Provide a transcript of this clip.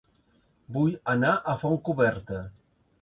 Vull anar a Fontcoberta